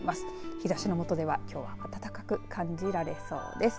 日ざしの下ではきょうは暖かく感じられそうです。